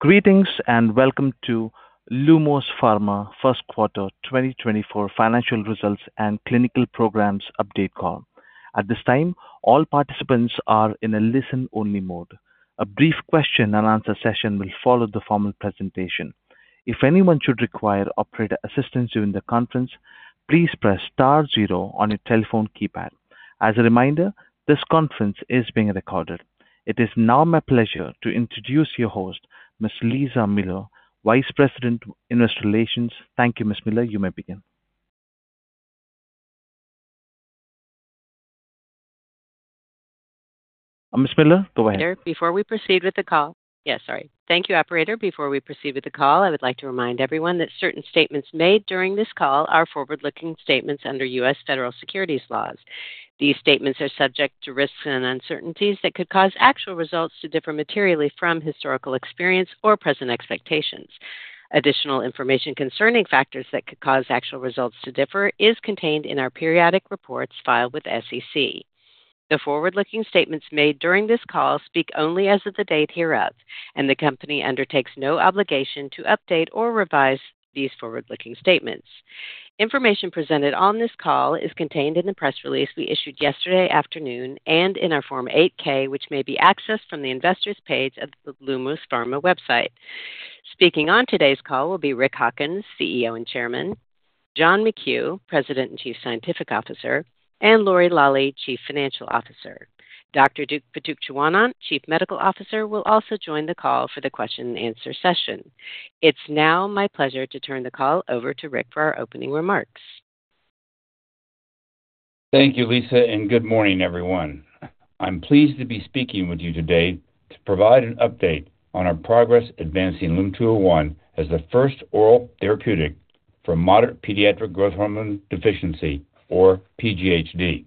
Greetings and welcome to Lumos Pharma 1st Quarter 2024 Financial Results and Clinical Programs Update Call. At this time, all participants are in a listen-only mode. A brief question-and-answer session will follow the formal presentation. If anyone should require operator assistance during the conference, please press star zero on your telephone keypad. As a reminder, this conference is being recorded. It is now my pleasure to introduce your host, Ms. Lisa Miller, Vice President, Investor Relations. Thank you, Ms. Miller. You may begin. Ms. Miller, go ahead. Sir, before we proceed with the call, yes, sorry. Thank you, Operator. Before we proceed with the call, I would like to remind everyone that certain statements made during this call are forward-looking statements under U.S. federal securities laws. These statements are subject to risks and uncertainties that could cause actual results to differ materially from historical experience or present expectations. Additional information concerning factors that could cause actual results to differ is contained in our periodic reports filed with SEC. The forward-looking statements made during this call speak only as of the date hereof, and the company undertakes no obligation to update or revise these forward-looking statements. Information presented on this call is contained in the press release we issued yesterday afternoon and in our Form 8-K, which may be accessed from the investors' pages of the Lumos Pharma website. Speaking on today's call will be Rick Hawkins, CEO and Chairman, John McKew, President and Chief Scientific Officer, and Lori Lawley, Chief Financial Officer. Dr. Duke Pitukcheewanont, Chief Medical Officer, will also join the call for the question-and-answer session. It's now my pleasure to turn the call over to Rick for our opening remarks. Thank you, Lisa, and good morning, everyone. I'm pleased to be speaking with you today to provide an update on our progress advancing LUM-201 as the first oral therapeutic for moderate pediatric growth hormone deficiency, or PGHD.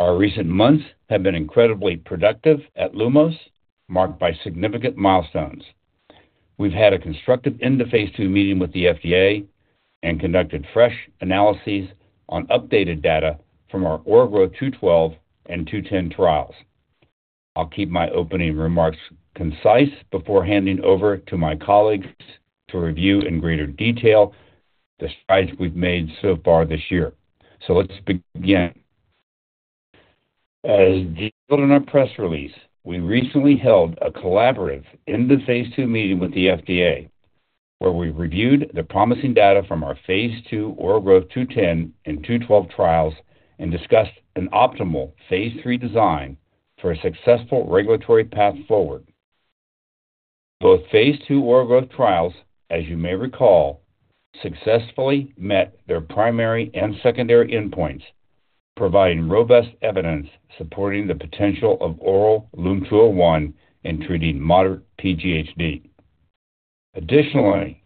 Our recent months have been incredibly productive at Lumos, marked by significant milestones. We've had a constructive end-of-phase II meeting with the FDA and conducted fresh analyses on updated data from our OraGrowtH212 and OraGrowtH210 trials. I'll keep my opening remarks concise before handing over to my colleagues to review in greater detail the strides we've made so far this year. So let's begin. As detailed in our press release, we recently held a collaborative end-of-phase II meeting with the FDA where we reviewed the promising data from our phase II OraGrowtH210 and OraGrowtH212 trials and discussed an optimal phase 3 design for a successful regulatory path forward. Both phase II oral growth trials, as you may recall, successfully met their primary and secondary endpoints, providing robust evidence supporting the potential of oral LUM-201 in treating moderate PGHD. Additionally,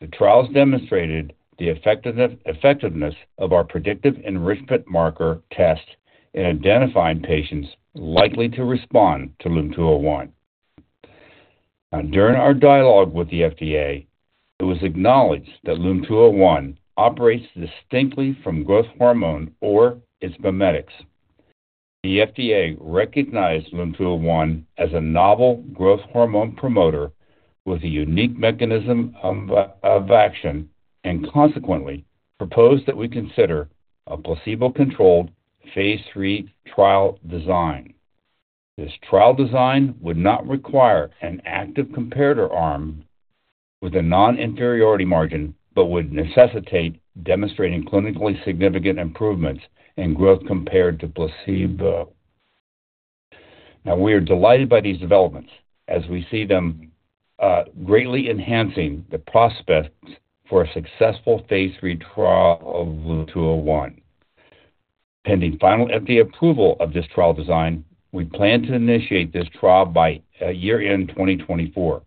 the trials demonstrated the effectiveness of our predictive enrichment marker test in identifying patients likely to respond to LUM-201. Now, during our dialogue with the FDA, it was acknowledged that LUM-201 operates distinctly from growth hormone or its mimetics. The FDA recognized LUM-201 as a novel growth hormone promoter with a unique mechanism of action and consequently proposed that we consider a placebo-controlled phase III trial design. This trial design would not require an active comparator arm with a non-inferiority margin but would necessitate demonstrating clinically significant improvements in growth compared to placebo. Now, we are delighted by these developments as we see them greatly enhancing the prospects for a successful phase III trial of LUM-201. Pending final FDA approval of this trial design, we plan to initiate this trial by year-end 2024.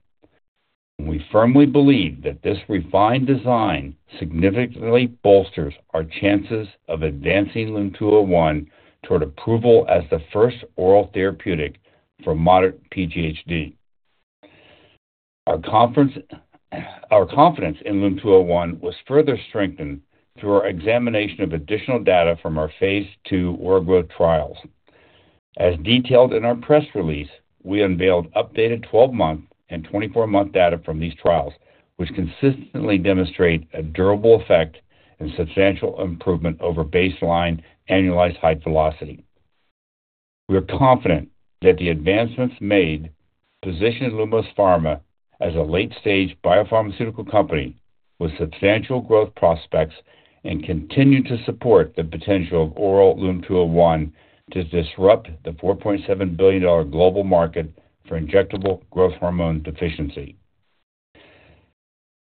We firmly believe that this refined design significantly bolsters our chances of advancing LUM-201 toward approval as the first oral therapeutic for moderate PGHD. Our confidence in LUM-201 was further strengthened through our examination of additional data from our phase II oral growth trials. As detailed in our press release, we unveiled updated 12-month and 24-month data from these trials, which consistently demonstrate a durable effect and substantial improvement over baseline annualized height velocity. We are confident that the advancements made position Lumos Pharma as a late-stage biopharmaceutical company with substantial growth prospects and continue to support the potential of oral LUM-201 to disrupt the $4.7 billion global market for injectable growth hormone deficiency.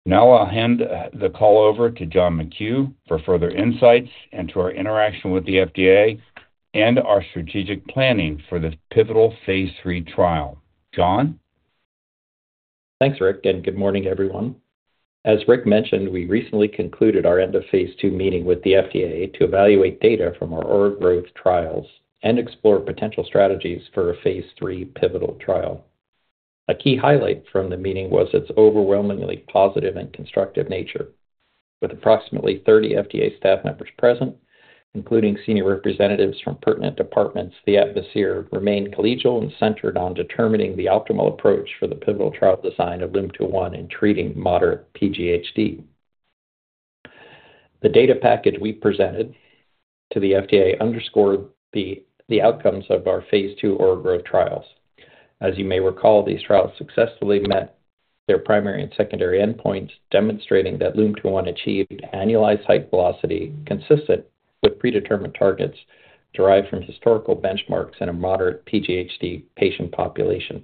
Now I'll hand the call over to John McKew for further insights and to our interaction with the FDA and our strategic planning for the pivotal phase III trial. John? Thanks, Rick, and good morning, everyone. As Rick mentioned, we recently concluded our end-of-phase II meeting with the FDA to evaluate data from our oral growth trials and explore potential strategies for a phase III pivotal trial. A key highlight from the meeting was its overwhelmingly positive and constructive nature. With approximately 30 FDA staff members present, including senior representatives from pertinent departments, the atmosphere remained collegial and centered on determining the optimal approach for the pivotal trial design of LUM-201 in treating moderate PGHD. The data package we presented to the FDA underscored the outcomes of our phase II oral growth trials. As you may recall, these trials successfully met their primary and secondary endpoints, demonstrating that LUM-201 achieved annualized height velocity consistent with predetermined targets derived from historical benchmarks in a moderate PGHD patient population.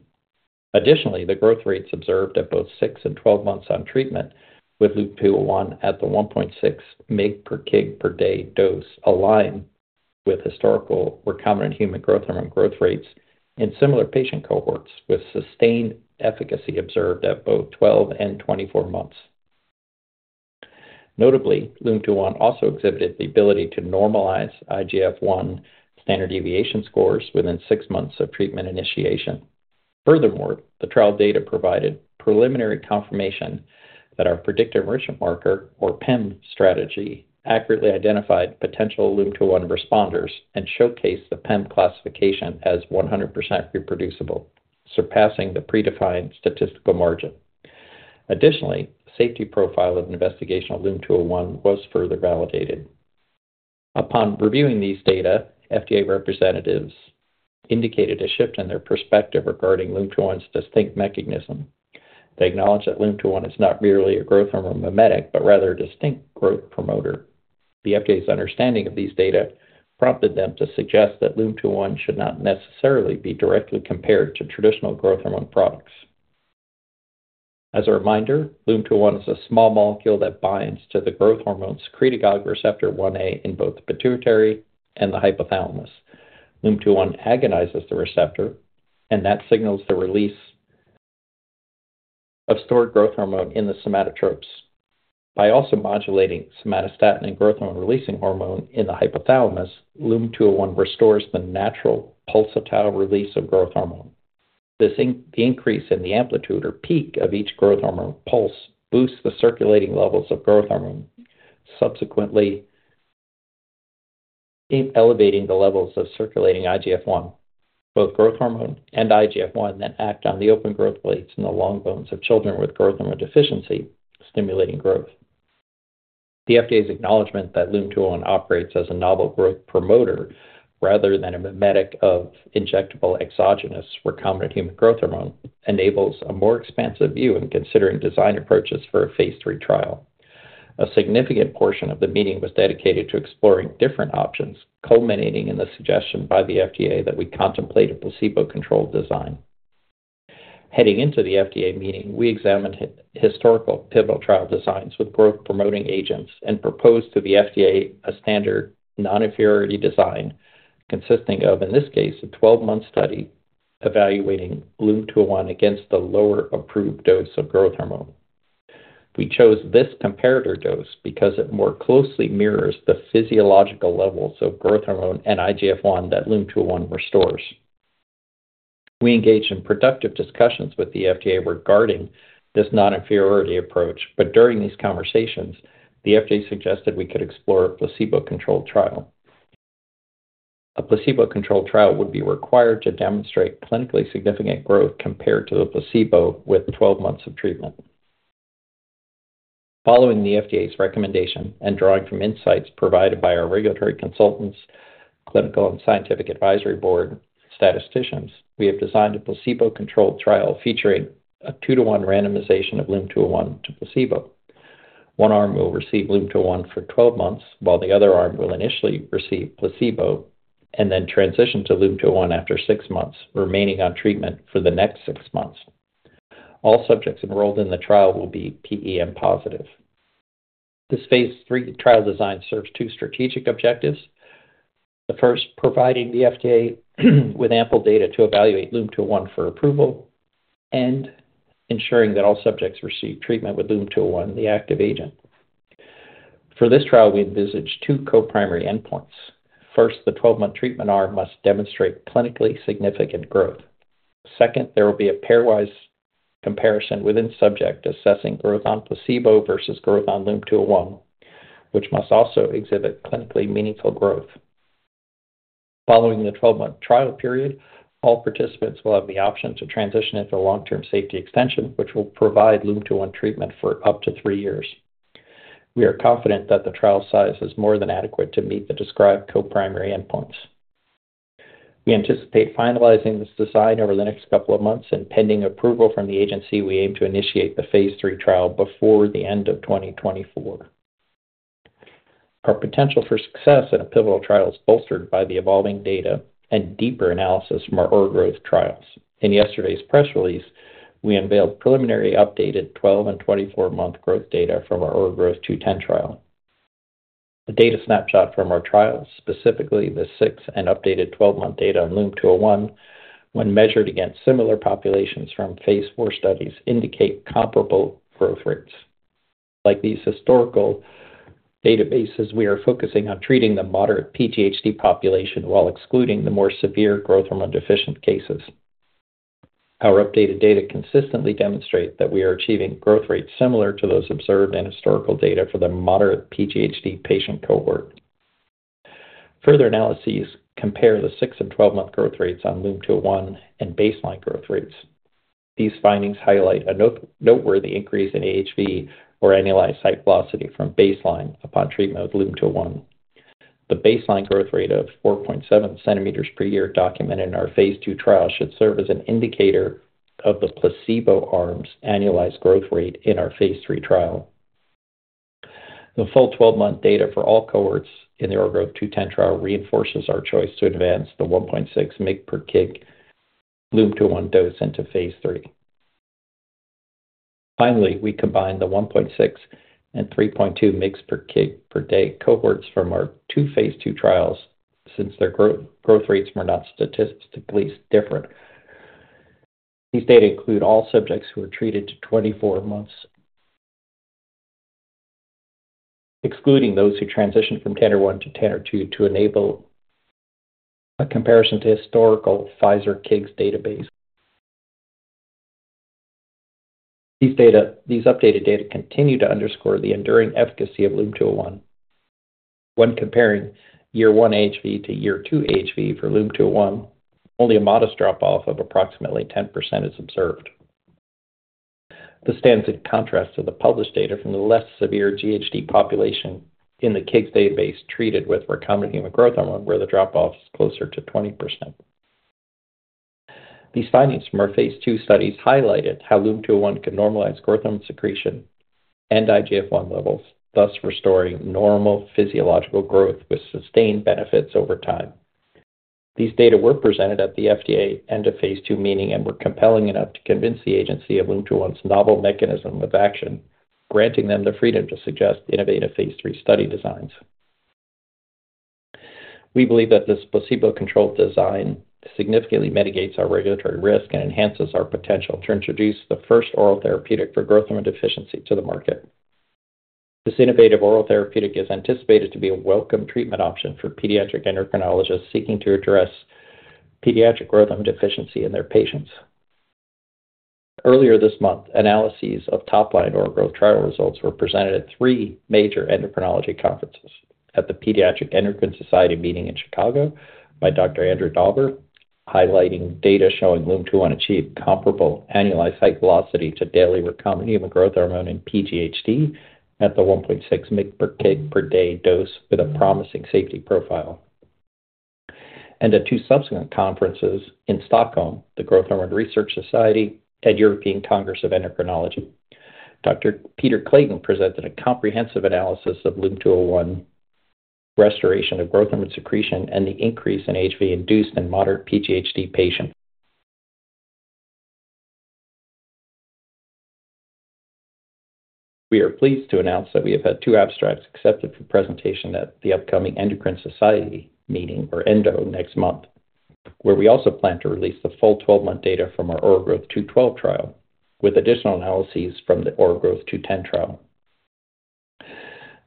Additionally, the growth rates observed at both six and 12 months on treatment with LUM-201 at the 1.6 mg/kg/day dose aligned with historical recombinant human growth hormone growth rates in similar patient cohorts, with sustained efficacy observed at both 12 and 24 months. Notably, LUM-201 also exhibited the ability to normalize IGF-1 standard deviation scores within 6 months of treatment initiation. Furthermore, the trial data provided preliminary confirmation that our predictive enrichment marker, or PEM, strategy accurately identified potential LUM-201 responders and showcased the PEM classification as 100% reproducible, surpassing the predefined statistical margin. Additionally, the safety profile of investigational LUM-201 was further validated. Upon reviewing these data, FDA representatives indicated a shift in their perspective regarding LUM-201's distinct mechanism. They acknowledged that LUM-201 is not merely a growth hormone mimetic but rather a distinct growth promoter. The FDA's understanding of these data prompted them to suggest that LUM-201 should not necessarily be directly compared to traditional growth hormone products. As a reminder, LUM-201 is a small molecule that binds to the growth hormone secretagogue receptor 1a in both the pituitary and the hypothalamus. LUM-201 agonizes the receptor, and that signals the release of stored growth hormone in the somatotropes. By also modulating somatostatin and growth hormone-releasing hormone in the hypothalamus, LUM-201 restores the natural pulsatile release of growth hormone. The increase in the amplitude, or peak, of each growth hormone pulse boosts the circulating levels of growth hormone, subsequently elevating the levels of circulating IGF-1. Both growth hormone and IGF-1 then act on the open growth plates in the long bones of children with growth hormone deficiency, stimulating growth. The FDA's acknowledgment that LUM-201 operates as a novel growth promoter rather than a mimetic of injectable exogenous recombinant human growth hormone enables a more expansive view in considering design approaches for a phase III trial. A significant portion of the meeting was dedicated to exploring different options, culminating in the suggestion by the FDA that we contemplate a placebo-controlled design. Heading into the FDA meeting, we examined historical pivotal trial designs with growth-promoting agents and proposed to the FDA a standard non-inferiority design consisting of, in this case, a 12-month study evaluating LUM-201 against the lower approved dose of growth hormone. We chose this comparator dose because it more closely mirrors the physiological levels of growth hormone and IGF-1 that LUM-201 restores. We engaged in productive discussions with the FDA regarding this non-inferiority approach, but during these conversations, the FDA suggested we could explore a placebo-controlled trial. A placebo-controlled trial would be required to demonstrate clinically significant growth compared to the placebo with 12 months of treatment. Following the FDA's recommendation and drawing from insights provided by our regulatory consultants, clinical and scientific advisory board statisticians, we have designed a placebo-controlled trial featuring a 2:1 randomization of LUM-201 to placebo. One arm will receive LUM-201 for 12 months, while the other arm will initially receive placebo and then transition to LUM-201 after 6 months, remaining on treatment for the next 6 months. All subjects enrolled in the trial will be PEM positive. This phase III trial design serves two strategic objectives: the first, providing the FDA with ample data to evaluate LUM-201 for approval, and ensuring that all subjects receive treatment with LUM-201, the active agent. For this trial, we envisioned two co-primary endpoints. First, the 12-month treatment arm must demonstrate clinically significant growth. Second, there will be a pairwise comparison within subject assessing growth on placebo versus growth on LUM-201, which must also exhibit clinically meaningful growth. Following the 12-month trial period, all participants will have the option to transition into long-term safety extension, which will provide LUM-201 treatment for up to three years. We are confident that the trial size is more than adequate to meet the described co-primary endpoints. We anticipate finalizing this design over the next couple of months, and pending approval from the agency, we aim to initiate the phase III trial before the end of 2024. Our potential for success in a pivotal trial is bolstered by the evolving data and deeper analysis from our oral growth trials. In yesterday's press release, we unveiled preliminary updated 12- and 24-month growth data from our OraGrowtH210 trial. The data snapshot from our trials, specifically the 6- and updated 12-month data on LUM-201, when measured against similar populations from phase IV studies, indicate comparable growth rates. Like these historical databases, we are focusing on treating the moderate PGHD population while excluding the more severe growth hormone deficiency cases. Our updated data consistently demonstrate that we are achieving growth rates similar to those observed in historical data for the moderate PGHD patient cohort. Further analyses compare the 6- and 12-month growth rates on LUM-201 and baseline growth rates. These findings highlight a noteworthy increase in AHV or annualized height velocity from baseline upon treatment with LUM-201. The baseline growth rate of 4.7 cm per year documented in our phase II trial should serve as an indicator of the placebo arm's annualized growth rate in our phase III trial. The full 12-month data for all cohorts in the OraGrowtH210 trial reinforces our choice to advance the 1.6 mg/kg LUM-201 dose into phase III. Finally, we combine the 1.6 and 3.2 mg/kg/day cohorts from our two phase II trials since their growth rates were not statistically different. These data include all subjects who were treated to 24 months, excluding those who transitioned from Tanner 1 to Tanner 2 to enable a comparison to historical Pfizer/KIGS database. These updated data continue to underscore the enduring efficacy of LUM-201. When comparing Year 1 AHV to Year 2 AHV for LUM-201, only a modest drop-off of approximately 10% is observed. This stands in contrast to the published data from the less severe GHD population in the KIGS database treated with recombinant human growth hormone, where the drop-off is closer to 20%. These findings from our phase II studies highlighted how LUM-201 could normalize growth hormone secretion and IGF-1 levels, thus restoring normal physiological growth with sustained benefits over time. These data were presented at the FDA end-of-phase II meeting and were compelling enough to convince the agency of LUM-201's novel mechanism of action, granting them the freedom to suggest innovative phase III study designs. We believe that this placebo-controlled design significantly mitigates our regulatory risk and enhances our potential to introduce the first oral therapeutic for growth hormone deficiency to the market. This innovative oral therapeutic is anticipated to be a welcome treatment option for pediatric endocrinologists seeking to address pediatric growth hormone deficiency in their patients. Earlier this month, analyses of top-line oral growth trial results were presented at three major endocrinology conferences: at the Pediatric Endocrine Society meeting in Chicago by Dr. Andrew Dauber, highlighting data showing LUM-201 achieved comparable annualized height velocity to daily recombinant human growth hormone in PGHD at the 1.6 mg/kg/day dose with a promising safety profile; and at two subsequent conferences in Stockholm, the Growth Hormone Research Society and European Congress of Endocrinology. Dr. Peter Clayton presented a comprehensive analysis of LUM-201 restoration of growth hormone secretion and the increase in AHV-induced and moderate PGHD patients. We are pleased to announce that we have had two abstracts accepted for presentation at the upcoming Endocrine Society meeting, or ENDO, next month, where we also plan to release the full 12-month data from our OraGrowtH212 trial with additional analyses from the OraGrowtH210 trial.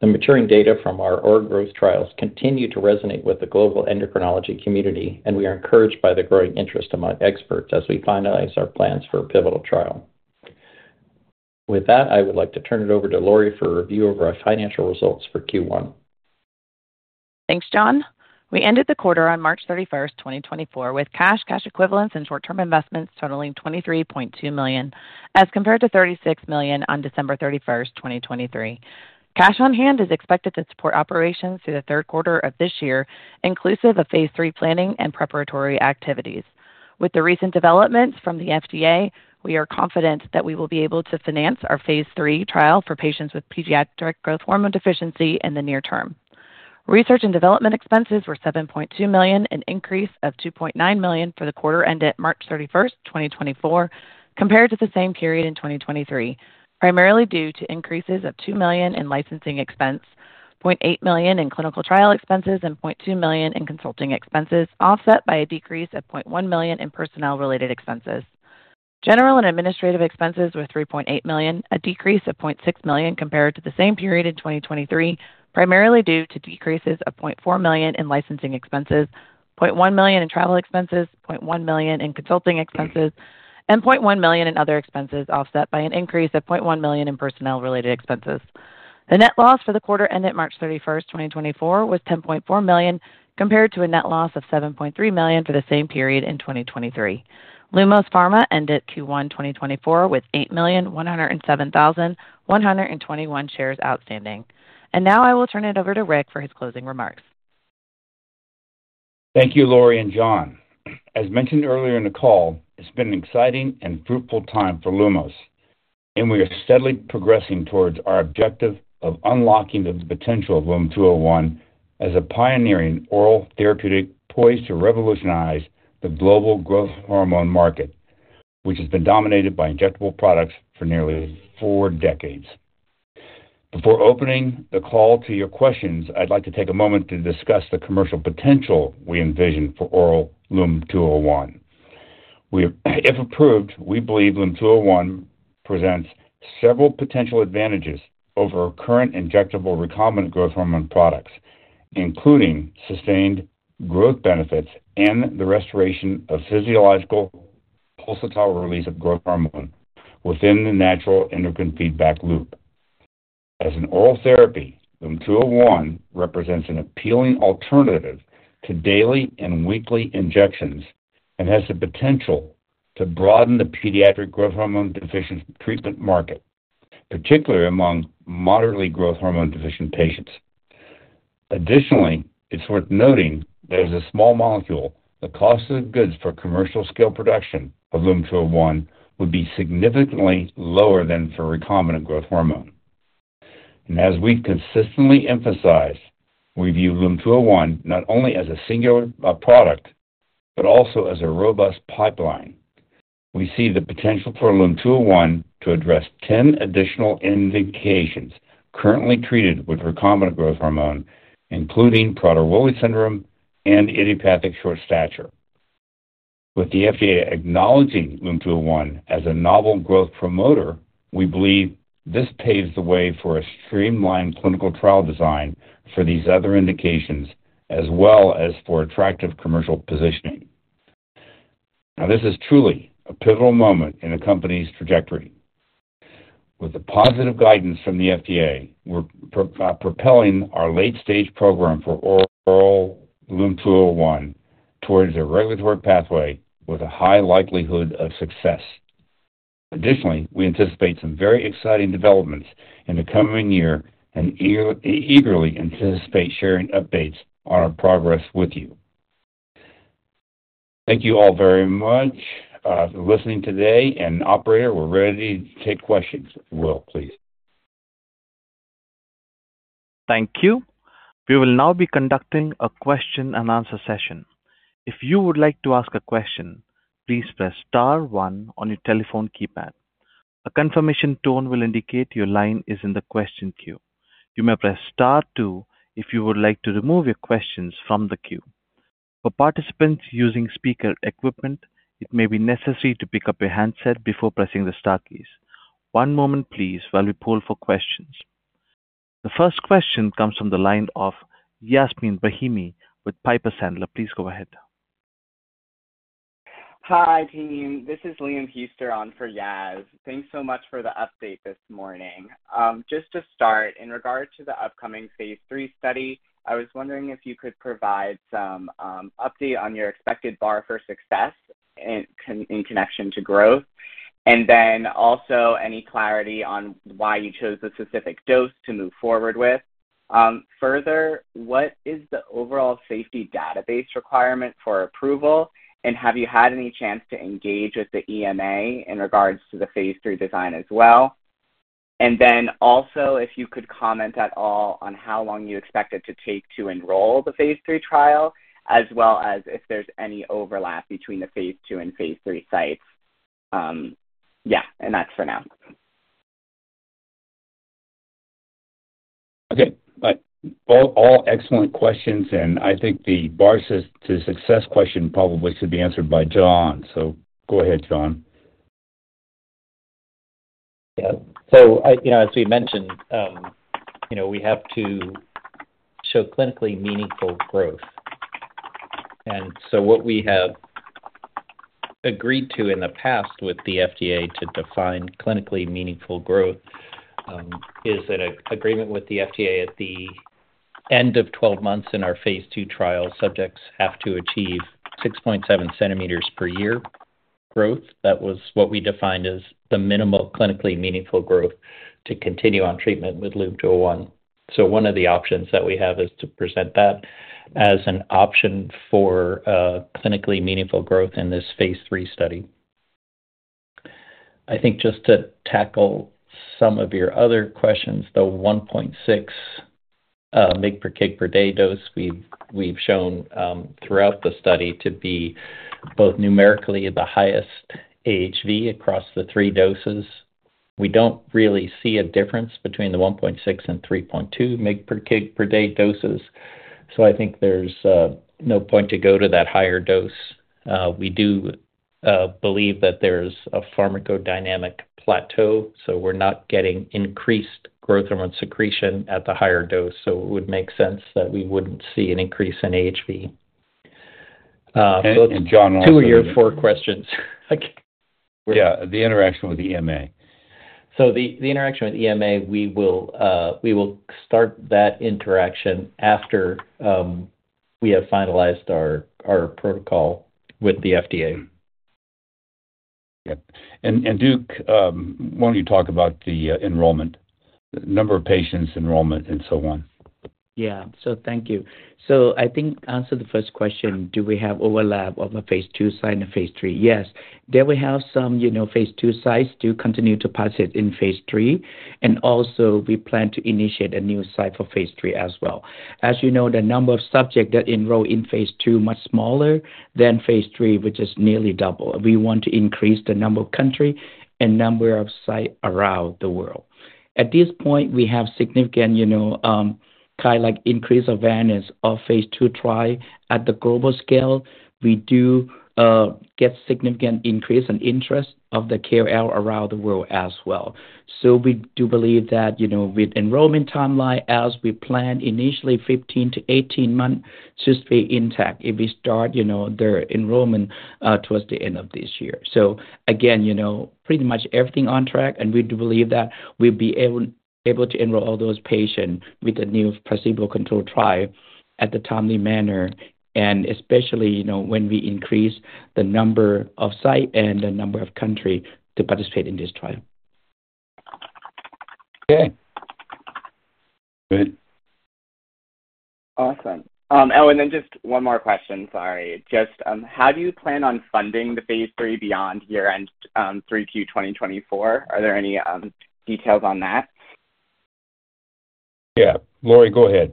The maturing data from our oral growth trials continue to resonate with the global endocrinology community, and we are encouraged by the growing interest among experts as we finalize our plans for a pivotal trial. With that, I would like to turn it over to Lori for a review of our financial results for Q1. Thanks, John. We ended the quarter on March 31st, 2024, with cash, cash equivalents, and short-term investments totaling $23.2 million as compared to $36 million on December 31st, 2023. Cash on hand is expected to support operations through the third quarter of this year, inclusive of phase III planning and preparatory activities. With the recent developments from the FDA, we are confident that we will be able to finance our phase III trial for patients with pediatric growth hormone deficiency in the near term. Research and development expenses were $7.2 million, an increase of $2.9 million for the quarter ended March 31st, 2024, compared to the same period in 2023, primarily due to increases of $2 million in licensing expense, $0.8 million in clinical trial expenses, and $0.2 million in consulting expenses, offset by a decrease of $0.1 million in personnel-related expenses. General and administrative expenses were $3.8 million, a decrease of $0.6 million compared to the same period in 2023, primarily due to decreases of $0.4 million in licensing expenses, $0.1 million in travel expenses, $0.1 million in consulting expenses, and $0.1 million in other expenses, offset by an increase of $0.1 million in personnel-related expenses. The net loss for the quarter ended March 31st, 2024, was $10.4 million compared to a net loss of $7.3 million for the same period in 2023. Lumos Pharma ended Q1, 2024, with 8,107,121 shares outstanding. Now I will turn it over to Rick for his closing remarks. Thank you, Lori and John. As mentioned earlier in the call, it's been an exciting and fruitful time for Lumos, and we are steadily progressing towards our objective of unlocking the potential of LUM-201 as a pioneering oral therapeutic poised to revolutionize the global growth hormone market, which has been dominated by injectable products for nearly four decades. Before opening the call to your questions, I'd like to take a moment to discuss the commercial potential we envision for oral LUM-201. If approved, we believe LUM-201 presents several potential advantages over current injectable recombinant growth hormone products, including sustained growth benefits and the restoration of physiological pulsatile release of growth hormone within the natural endocrine feedback loop. As an oral therapy, LUM-201 represents an appealing alternative to daily and weekly injections and has the potential to broaden the pediatric growth hormone deficiency treatment market, particularly among moderately growth hormone deficient patients. Additionally, it's worth noting that as a small molecule, the cost of goods for commercial-scale production of LUM-201 would be significantly lower than for recombinant growth hormone. As we've consistently emphasized, we view LUM-201 not only as a singular product but also as a robust pipeline. We see the potential for LUM-201 to address 10 additional indications currently treated with recombinant growth hormone, including Prader-Willi Syndrome and Idiopathic Short Stature. With the FDA acknowledging LUM-201 as a novel growth promoter, we believe this paves the way for a streamlined clinical trial design for these other indications as well as for attractive commercial positioning. Now, this is truly a pivotal moment in the company's trajectory. With the positive guidance from the FDA, we're propelling our late-stage program for oral LUM-201 towards a regulatory pathway with a high likelihood of success. Additionally, we anticipate some very exciting developments in the coming year and eagerly anticipate sharing updates on our progress with you. Thank you all very much for listening today. And operator, we're ready to take questions. Will, please. Thank you. We will now be conducting a question-and-answer session. If you would like to ask a question, please press star one on your telephone keypad. A confirmation tone will indicate your line is in the question queue. You may press star two if you would like to remove your questions from the queue. For participants using speaker equipment, it may be necessary to pick up your handset before pressing the star keys. One moment, please, while we pull for questions. The first question comes from the line of Yasmeen Rahimi with Piper Sandler. Please go ahead. Hi, team. This is Lally Johnson on for Yas. Thanks so much for the update this morning. Just to start, in regard to the upcoming phase III study, I was wondering if you could provide some update on your expected bar for success in connection to growth, and then also any clarity on why you chose a specific dose to move forward with. Further, what is the overall safety database requirement for approval, and have you had any chance to engage with the EMA in regards to the phase III design as well? And then also, if you could comment at all on how long you expect it to take to enroll the phase III trial, as well as if there's any overlap between the phase II and phase III sites. Yeah, and that's for now. Okay. All excellent questions. And I think the bar to success question probably should be answered by John. So go ahead, John. Yeah. So as we mentioned, we have to show clinically meaningful growth. And so what we have agreed to in the past with the FDA to define clinically meaningful growth is an agreement with the FDA at the end of 12 months in our phase II trial, subjects have to achieve 6.7 cm per year growth. That was what we defined as the minimal clinically meaningful growth to continue on treatment with LUM-201. So one of the options that we have is to present that as an option for clinically meaningful growth in this phase III study. I think just to tackle some of your other questions, the 1.6 mg/kg/day dose we've shown throughout the study to be both numerically the highest AHV across the three doses. We don't really see a difference between the 1.6 and 3.2 mg/kg/day doses. So I think there's no point to go to that higher dose. We do believe that there's a pharmacodynamic plateau, so we're not getting increased growth hormone secretion at the higher dose. So it would make sense that we wouldn't see an increase in AHV. So it's two of your four questions. Yeah, the interaction with the EMA. So the interaction with the EMA, we will start that interaction after we have finalized our protocol with the FDA. Yeah. And Duke, why don't you talk about the number of patients enrollment and so on? Yeah. So thank you. So I think answer the first question. Do we have overlap of a phase II site and a phase III? Yes. There we have some phase II sites do continue to participate in phase III, and also we plan to initiate a new site for phase III as well. As you know, the number of subjects that enroll in phase II is much smaller than phase III, which is nearly double. We want to increase the number of countries and number of sites around the world. At this point, we have significant kind of increase of awareness of phase II trials at the global scale. We do get significant increase in interest of the KOL around the world as well. So we do believe that with enrollment timeline, as we plan initially, 15-18 months should stay intact if we start their enrollment towards the end of this year. So again, pretty much everything on track, and we do believe that we'll be able to enroll all those patients with a new placebo-controlled trial at the timely manner, and especially when we increase the number of sites and the number of countries to participate in this trial. Okay. Great. Awesome. Oh, and then just one more question. Sorry. How do you plan on funding the phase III beyond year-end 3Q 2024? Are there any details on that? Yeah. Lori, go ahead.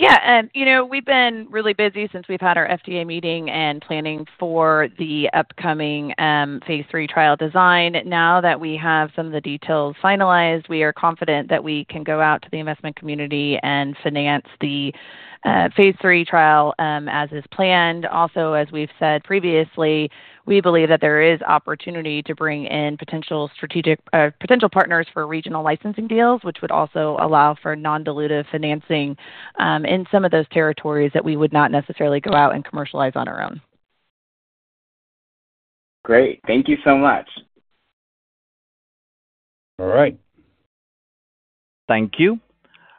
Yeah. We've been really busy since we've had our FDA meeting and planning for the upcoming phase III trial design. Now that we have some of the details finalized, we are confident that we can go out to the investment community and finance the phase III trial as is planned. Also, as we've said previously, we believe that there is opportunity to bring in potential partners for regional licensing deals, which would also allow for non-dilutive financing in some of those territories that we would not necessarily go out and commercialize on our own. Great. Thank you so much. All right. Thank you.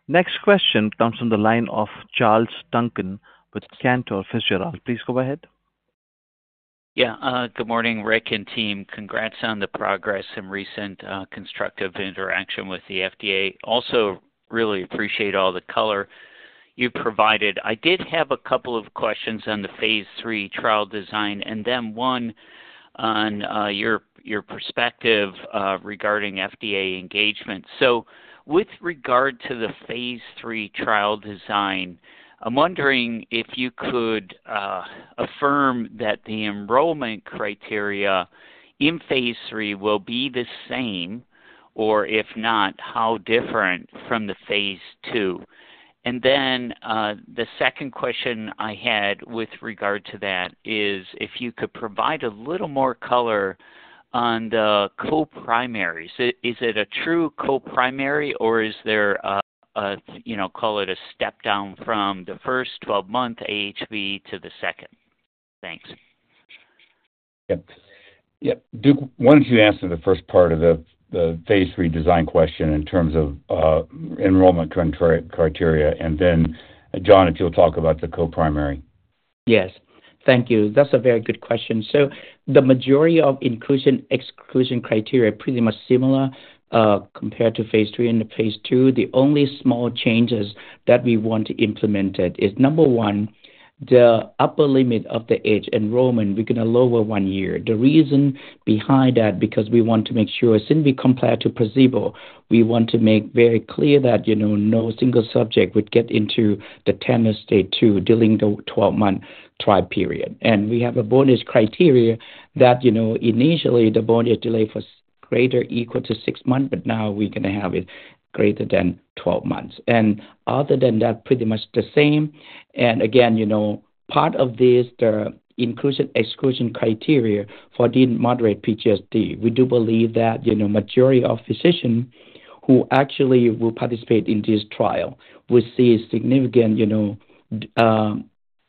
Next question comes from the line of Charles Duncan with Cantor Fitzgerald. Please go ahead. Yeah. Good morning, Rick and team. Congrats on the progress and recent constructive interaction with the FDA. Also, really appreciate all the color you've provided. I did have a couple of questions on the phase III trial design and then one on your perspective regarding FDA engagement. So with regard to the phase III trial design, I'm wondering if you could affirm that the enrollment criteria in phase III will be the same, or if not, how different from the phase II. And then the second question I had with regard to that is if you could provide a little more color on the co-primaries. Is it a true co-primary, or is there, call it, a step down from the first 12-month AHV to the second? Thanks. Yep. Yep. Duke, why don't you answer the first part of the phase III design question in terms of enrollment criteria, and then John, if you'll talk about the co-primary. Yes. Thank you. That's a very good question. So the majority of inclusion/exclusion criteria are pretty much similar compared to phase III and phase II. The only small changes that we want implemented is, number one, the upper limit of the age enrollment, we're going to lower one year. The reason behind that is because we want to make sure, since we compare to placebo, we want to make very clear that no single subject would get into the Tanner stage two during the 12-month trial period. We have a bone age criteria that initially, the bone age delay was greater or equal to 6 months, but now we're going to have it greater than 12 months. Other than that, pretty much the same. Again, part of this, the inclusion/exclusion criteria for the PGHD, we do believe that the majority of physicians who actually will participate in this trial will see significant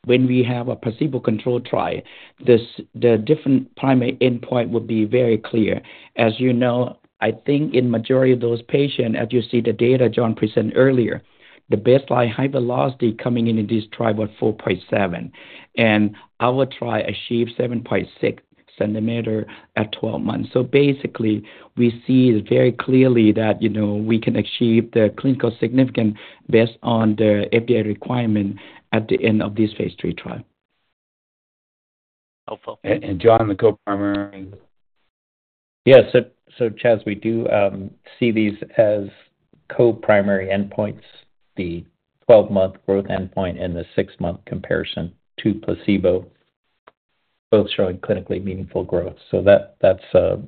when we have a placebo-controlled trial, the different primary endpoint will be very clear. As you know, I think in the majority of those patients, as you see the data John presented earlier, the baseline height velocity coming in in this trial was 4.7, and our trial achieved 7.6 cm at 12 months. So basically, we see very clearly that we can achieve the clinical significance based on the FDA requirement at the end of this phase III trial. Helpful. And John, the co-primary. Yeah. So Chaz, we do see these as co-primary endpoints, the 12-month growth endpoint and the six-month comparison to placebo, both showing clinically meaningful growth. So that's the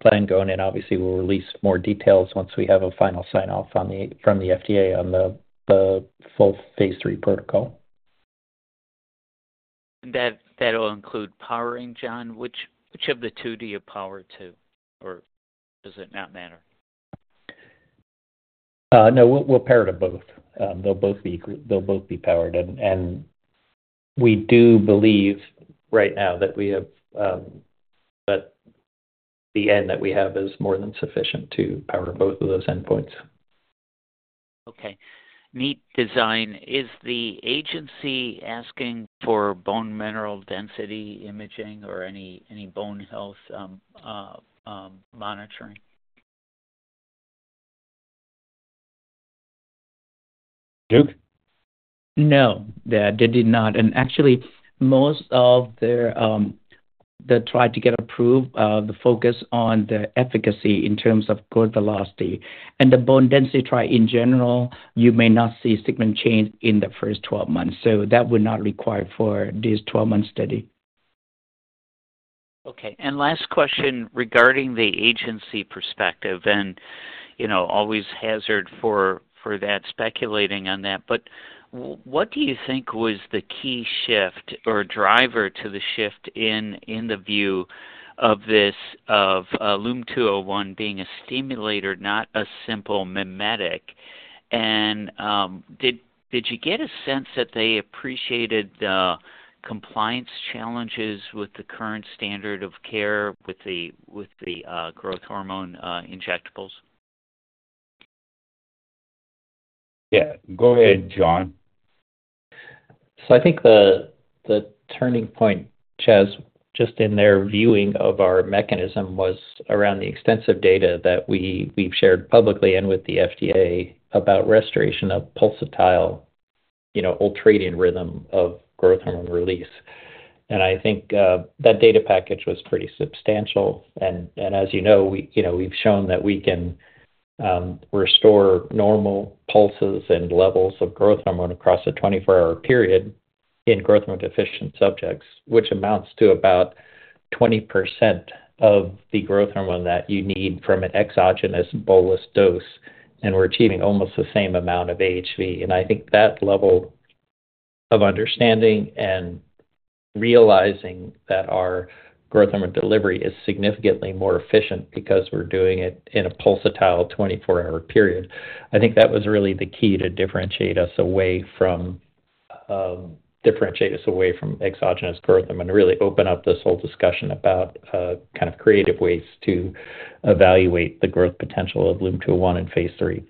plan going in. Obviously, we'll release more details once we have a final sign-off from the FDA on the full phase III protocol. That'll include powering, John. Which of the two do you power to, or does it not matter? No, we'll power to both. They'll both be powered. We do believe right now that we have. But the end that we have is more than sufficient to power both of those endpoints. Okay. Neat design. Is the agency asking for bone mineral density imaging or any bone health monitoring? Duke? No, they did not. And actually, most of the trials to get approved, the focus on the efficacy in terms of growth velocity. And the bone density trial, in general, you may not see a significant change in the first 12 months. So that would not require for this 12-month study. Okay. And last question regarding the agency perspective. And always hazard for that, speculating on that. But what do you think was the key shift or driver to the shift in the view of LUM-201 being a stimulator, not a simple mimetic? And did you get a sense that they appreciated the compliance challenges with the current standard of care with the growth hormone injectables? Yeah. Go ahead, John. So I think the turning point, Chaz, just in their viewing of our mechanism was around the extensive data that we've shared publicly and with the FDA about restoration of pulsatile ultradian rhythm of growth hormone release. And I think that data package was pretty substantial. And as you know, we've shown that we can restore normal pulses and levels of growth hormone across a 24-hour period in growth hormone-deficient subjects, which amounts to about 20% of the growth hormone that you need from an exogenous bolus dose. And we're achieving almost the same amount of AHV. I think that level of understanding and realizing that our growth hormone delivery is significantly more efficient because we're doing it in a pulsatile 24-hour period, I think that was really the key to differentiate us away from exogenous growth hormone and really open up this whole discussion about kind of creative ways to evaluate the growth potential of LUM-201 in phase III.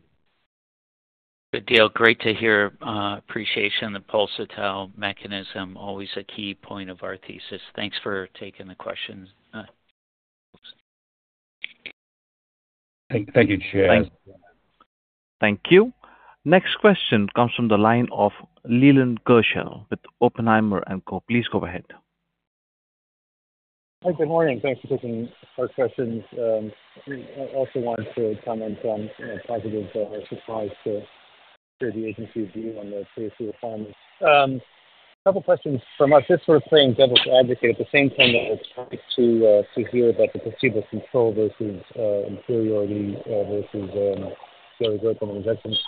Good deal. Great to hear appreciation. The pulsatile mechanism, always a key point of our thesis. Thanks for taking the questions. Thank you, Chaz. Thank you. Next question comes from the line of Leland Gershell with Oppenheimer & Co. Please go ahead. Hi. Good morning. Thanks for taking our questions. I also wanted to comment on positive surprise to hear the agency's view on the phase III requirements. A couple of questions from us. This sort of playing devil's advocate at the same time that we're trying to hear about the placebo control versus inferiority versus daily growth hormone injections.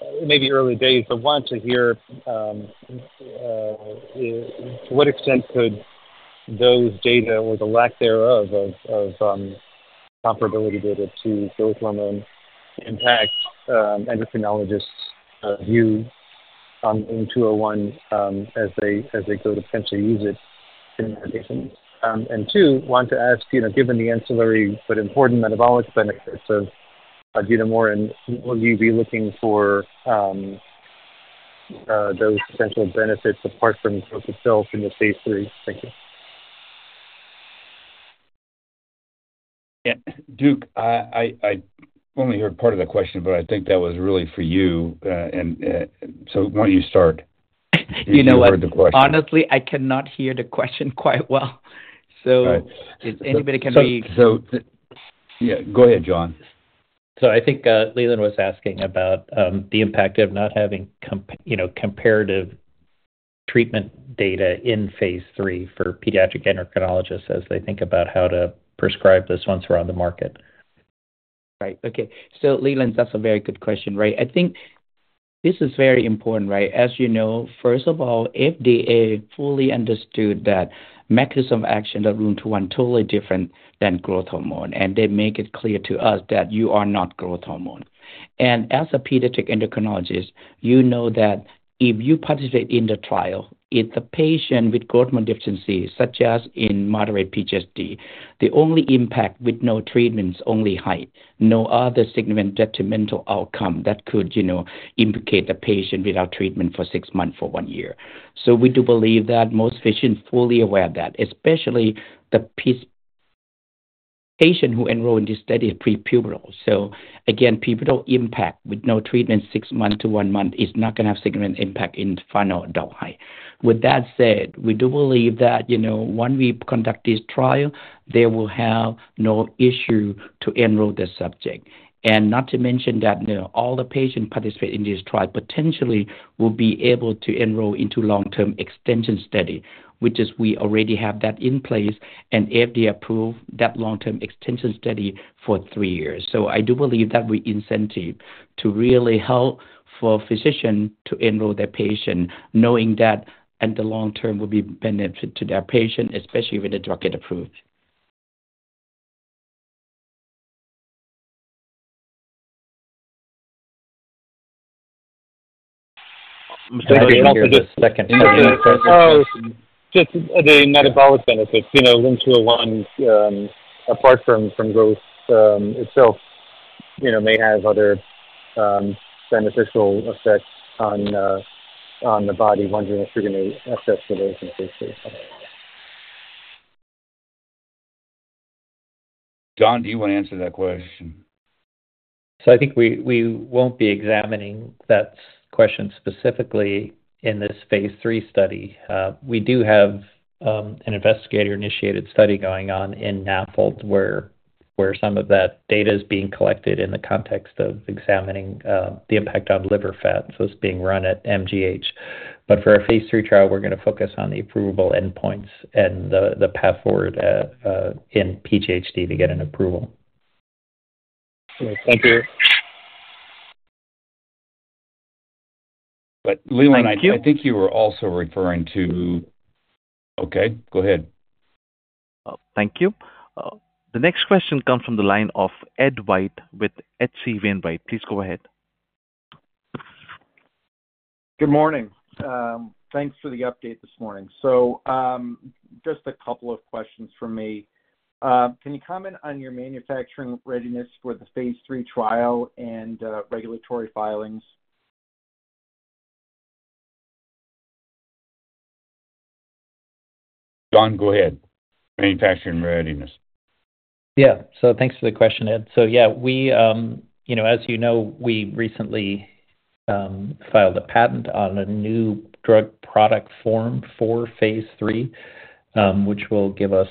It may be early days, but I wanted to hear to what extent could those data or the lack thereof of comparability data to growth hormone impact endocrinologists' view on LUM-201 as they go to potentially use it in their patients? And two, wanted to ask, given the ancillary but important metabolic benefits of ibutamoren, will you be looking for those potential benefits apart from growth itself in the phase III? Thank you. Yeah. Duke, I only heard part of the question, but I think that was really for you. And so why don't you start? You heard the question. Honestly, I cannot hear the question quite well. So if anybody can be. Yeah. Go ahead, John. So I think Leland was asking about the impact of not having comparative treatment data in phase III for pediatric endocrinologists as they think about how to prescribe this once we're on the market. Right. Okay. So Leland, that's a very good question, right? I think this is very important, right? As you know, first of all, FDA fully understood that mechanism of action of LUM-201 is totally different than growth hormone, and they make it clear to us that you are not growth hormone. And as a pediatric endocrinologist, you know that if you participate in the trial, if the patient with growth hormone deficiency, such as in moderate PGHD, the only impact with no treatment is only height, no other significant detrimental outcome that could implicate the patient without treatment for six months or one year. We do believe that most physicians are fully aware of that, especially the patient who enrolled in this study is prepubertal. Again, pubertal impact with no treatment six months to one month is not going to have a significant impact in final adult height. With that said, we do believe that once we conduct this trial, there will be no issue to enroll the subject. Not to mention that all the patients who participate in this trial potentially will be able to enroll into long-term extension study, which is we already have that in place, and FDA approved that long-term extension study for three years. I do believe that we incentive to really help for physicians to enroll their patients knowing that in the long term will be beneficial to their patients, especially with the drug getting approved. Mr. Duncan, just a second. Sorry. Just the metabolic benefits. LUM-201, apart from growth itself, may have other beneficial effects on the body, wondering if you're going to assess for those in phase III. John, do you want to answer that question? So I think we won't be examining that question specifically in this phase III study. We do have an investigator-initiated study going on in NAFLD where some of that data is being collected in the context of examining the impact on liver fat. So it's being run at MGH. But for a phase III trial, we're going to focus on the approval endpoints and the path forward in PGHD to get an approval. All right. Thank you. But Leland, I think you were also referring to. Thank you. Okay. Go ahead. Thank you. The next question comes from the line of Ed White with H.C. Wainwright & Co. Please go ahead. Good morning. Thanks for the update this morning. So just a couple of questions from me. Can you comment on your manufacturing readiness for the phase III trial and regulatory filings? John, go ahead. Manufacturing readiness. Yeah. So thanks for the question, Ed. So yeah, as you know, we recently filed a patent on a new drug product form for phase III, which will give us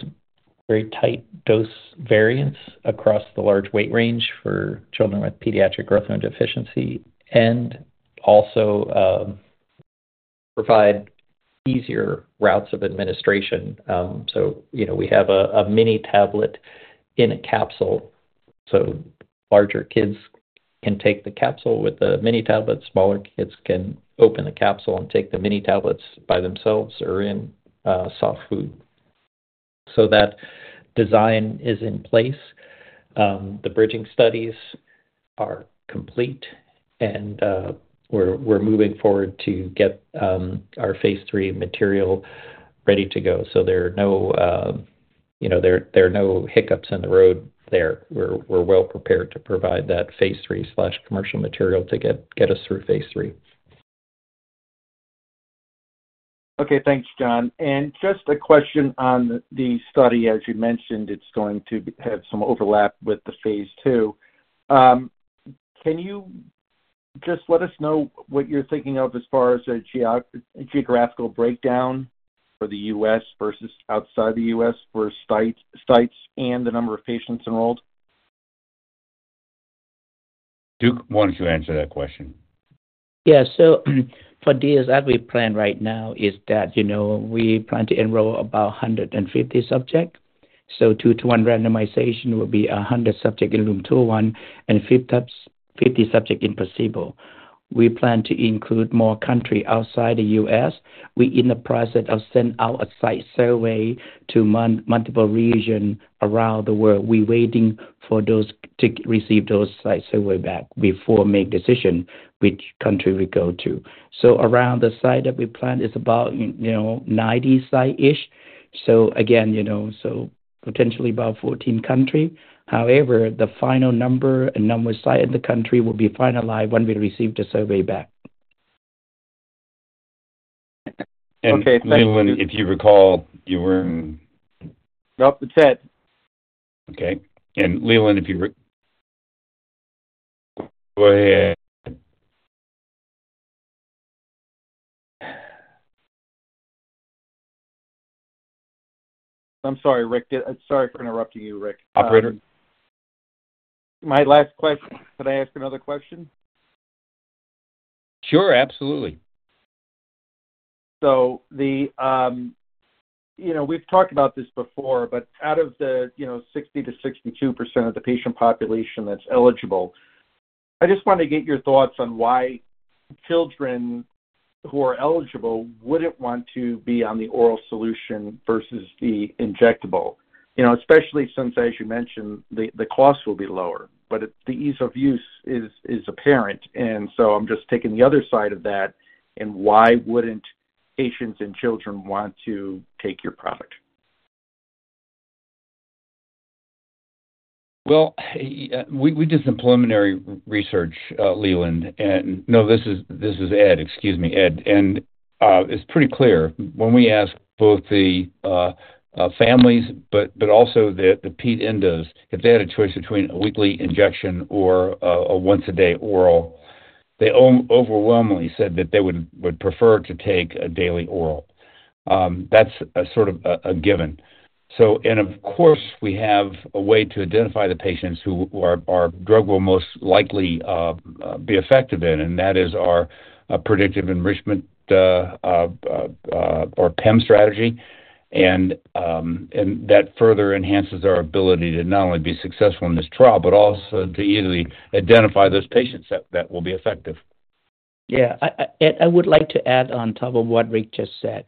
very tight dose variance across the large weight range for children with pediatric growth hormone deficiency and also provide easier routes of administration. So we have a mini tablet in a capsule. So larger kids can take the capsule with the mini tablets. Smaller kids can open the capsule and take the mini tablets by themselves or in soft food. So that design is in place. The bridging studies are complete, and we're moving forward to get our phase III material ready to go. So there are no hiccups in the road there. We're well prepared to provide that phase III commercial material to get us through phase III. Okay. Thanks, John. And just a question on the study. As you mentioned, it's going to have some overlap with the phase II. Can you just let us know what you're thinking of as far as a geographical breakdown for the U.S. versus outside the U.S. for sites and the number of patients enrolled? Duke wanted to answer that question. Yeah. So for DSI, what we plan right now is that we plan to enroll about 150 subjects. So 2:1 randomization will be 100 subjects in LUM-201 and 50 subjects in placebo. We plan to include more countries outside the U.S. We're in the process of sending out a site survey to multiple regions around the world. We're waiting for those to receive those site surveys back before making a decision which country we go to. So around the site that we plan is about 90 sites-ish. So again, so potentially about 14 countries. However, the final number and number of sites in the country will be finalized when we receive the survey back. And Leland, if you recall, you were in. No, it's Ed. Okay. And Leland, if you go ahead. I'm sorry, Rick. Sorry for interrupting you, Rick. Operator? My last question. Could I ask another question? Sure. Absolutely. So we've talked about this before, but out of the 60%-62% of the patient population that's eligible, I just want to get your thoughts on why children who are eligible wouldn't want to be on the oral solution versus the injectable, especially since, as you mentioned, the cost will be lower. But the ease of use is apparent. So I'm just taking the other side of that. And why wouldn't patients and children want to take your product? Well, we do some preliminary research, Leland. And no, this is Ed. Excuse me, Ed. And it's pretty clear. When we asked both the families but also the pediatric endocrinologists, if they had a choice between a weekly injection or a once-a-day oral, they overwhelmingly said that they would prefer to take a daily oral. That's sort of a given. And of course, we have a way to identify the patients who our drug will most likely be effective in, and that is our predictive enrichment or PEM strategy. And that further enhances our ability to not only be successful in this trial but also to easily identify those patients that will be effective. Yeah. Ed, I would like to add on top of what Rick just said.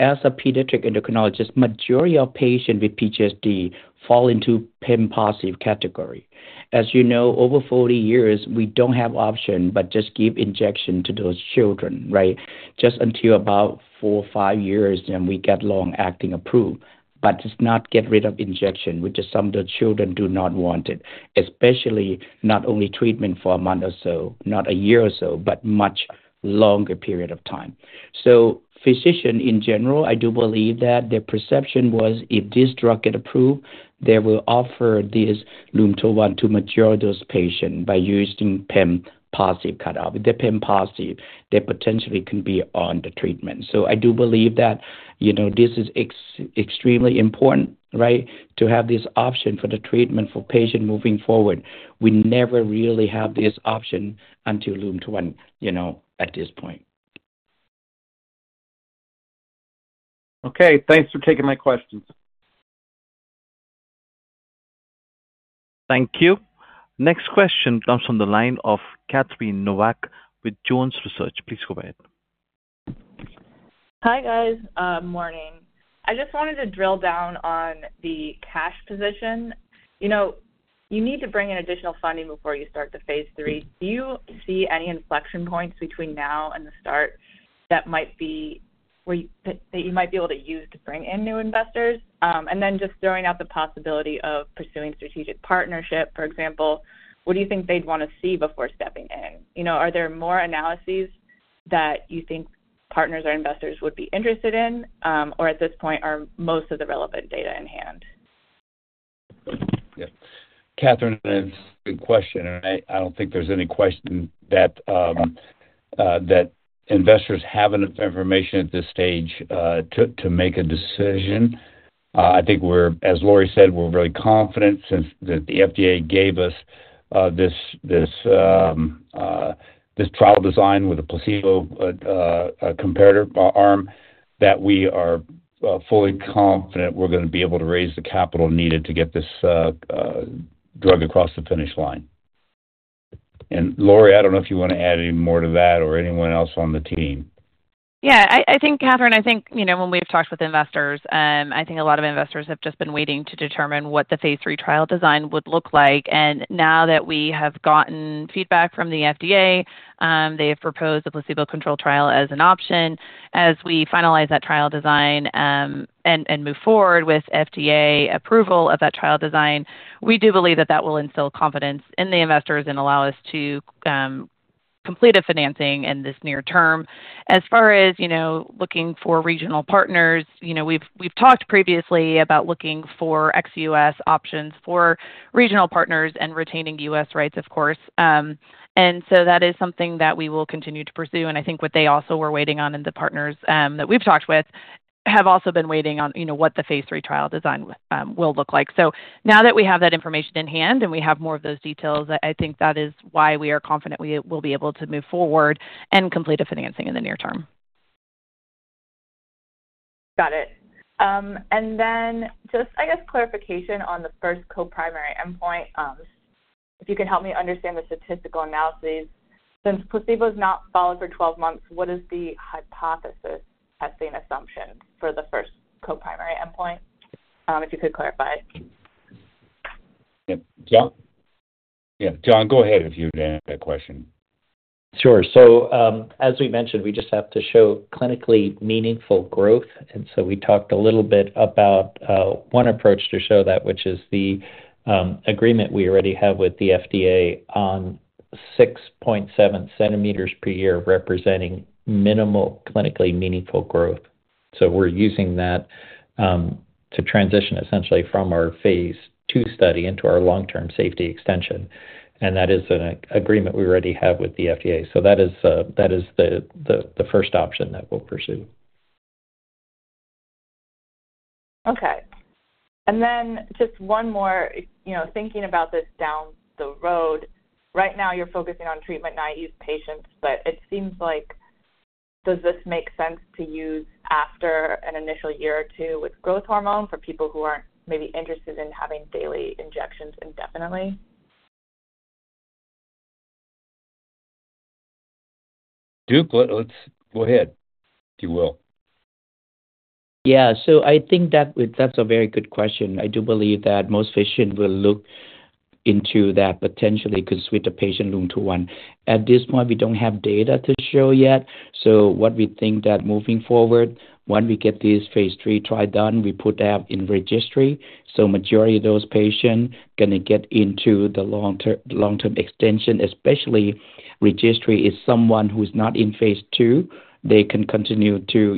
As a pediatric endocrinologist, the majority of patients with PGHD fall into the PEM-positive category. As you know, over 40 years, we don't have an option but just give injections to those children, right, just until about 4 or 5 years, and we get long-acting approved. But it's not getting rid of injections, which some of the children do not want it, especially not only treatment for a month or so, not a year or so, but a much longer period of time. So physicians, in general, I do believe that their perception was if this drug gets approved, they will offer this LUM-201 to the majority of those patients by using PEM-positive cut-off. If they're PEM-positive, they potentially can be on the treatment. So I do believe that this is extremely important, right, to have this option for the treatment for patients moving forward. We never really have this option until LUM-201 at this point. Okay. Thanks for taking my questions. Thank you. Next question comes from the line of Catherine Novack with Jones Research. Please go ahead. Hi, guys. Good morning. I just wanted to drill down on the cash position. You need to bring in additional funding before you start the phase III. Do you see any inflection points between now and the start that you might be able to use to bring in new investors? And then just throwing out the possibility of pursuing a strategic partnership, for example, what do you think they'd want to see before stepping in? Are there more analyses that you think partners or investors would be interested in, or at this point, are most of the relevant data in hand? Yeah. Catherine, that's a good question. I don't think there's any question that investors have enough information at this stage to make a decision. I think, as Lori said, we're very confident since the FDA gave us this trial design with a placebo comparator arm that we are fully confident we're going to be able to raise the capital needed to get this drug across the finish line. Lori, I don't know if you want to add any more to that or anyone else on the team. Yeah. I think, Catherine, I think when we've talked with investors, I think a lot of investors have just been waiting to determine what the phase III trial design would look like. Now that we have gotten feedback from the FDA, they have proposed a placebo-controlled trial as an option. As we finalize that trial design and move forward with FDA approval of that trial design, we do believe that that will instill confidence in the investors and allow us to complete the financing in this near term. As far as looking for regional partners, we've talked previously about looking for ex-U.S. options for regional partners and retaining U.S. rights, of course. And so that is something that we will continue to pursue. And I think what they also were waiting on and the partners that we've talked with have also been waiting on what the phase III trial design will look like. So now that we have that information in hand and we have more of those details, I think that is why we are confident we will be able to move forward and complete the financing in the near term. Got it. And then just, I guess, clarification on the first co-primary endpoint. If you can help me understand the statistical analyses, since placebo is not followed for 12 months, what is the hypothesis testing assumption for the first co-primary endpoint, if you could clarify? Yeah. John, go ahead if you want to ask that question. Sure. So as we mentioned, we just have to show clinically meaningful growth. And so we talked a little bit about one approach to show that, which is the agreement we already have with the FDA on 6.7 centimeters per year representing minimal clinically meaningful growth. So we're using that to transition, essentially, from our phase II study into our long-term safety extension. And that is an agreement we already have with the FDA. So that is the first option that we'll pursue. Okay. And then just one more, thinking about this down the road, right now, you're focusing on treatment-naive patients. But it seems like, does this make sense to use after an initial year or two with growth hormone for people who aren't maybe interested in having daily injections indefinitely? Duke, go ahead if you will. Yeah. So I think that's a very good question. I do believe that most patients will look into that potentially to switch the patient to LUM-201. At this point, we don't have data to show yet. So what we think that moving forward, once we get this phase III trial done, we put that in the registry. So the majority of those patients are going to get into the long-term extension, especially if the registry is someone who's not in phase II. They can continue to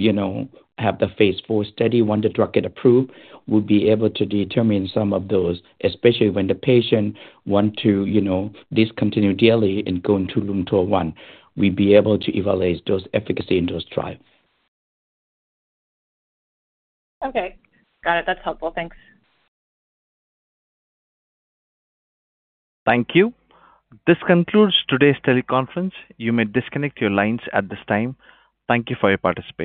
have the phase IV study. Once the drug gets approved, we'll be able to determine some of those, especially when the patient wants to discontinue daily and go into LUM-201. We'll be able to evaluate those efficacy in those trials. Okay. Got it. That's helpful. Thanks. Thank you. This concludes today's teleconference. You may disconnect your lines at this time. Thank you for your participation.